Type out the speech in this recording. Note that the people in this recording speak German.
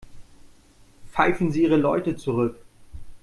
Pfeifen Sie Ihre Leute zurück.